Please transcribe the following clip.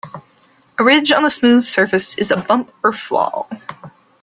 A ridge on a smooth surface is a bump or flaw.